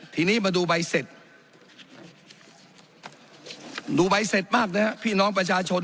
ทีนี้มาดูใบเสร็จดูใบเสร็จมากนะฮะพี่น้องประชาชน